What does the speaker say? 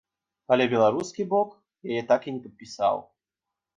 Але беларускі бок яе так і не падпісаў.